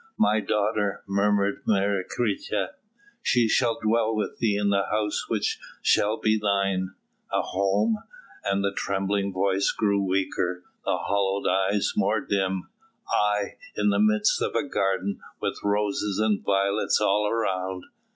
"My daughter?" murmured Menecreta. "She shall dwell with thee in the house which shall be thine." "A home?" and the trembling voice grew weaker, the hollow eyes more dim. "Aye! in the midst of a garden, with roses and violets all around."